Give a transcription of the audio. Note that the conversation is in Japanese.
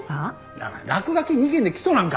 だから落書き２件で起訴なんか。